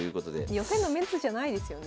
予選のメンツじゃないですよね。